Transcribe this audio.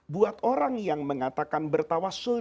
buat orang yang mengatakan bertawasul